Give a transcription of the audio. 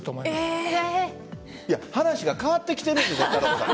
話が変わってきているって太郎さん。